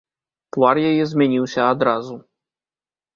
Твар яе змяніўся адразу.